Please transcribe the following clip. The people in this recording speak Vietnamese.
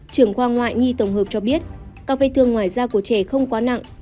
trưởng khoa ngoại nhi tổng hợp cho biết các vết thương ngoài da của trẻ không quá nặng